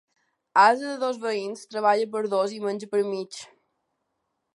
Ase de dos veïns treballa per dos i menja per mig.